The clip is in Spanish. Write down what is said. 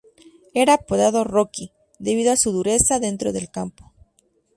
Era apodado "Rocky", debido a su dureza dentro del campo.